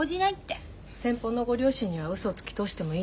先方のご両親にはうそをつき通してもいいの。